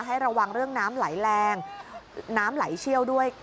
ให้ระวังเรื่องน้ำไหลแรงน้ำไหลเชี่ยวด้วย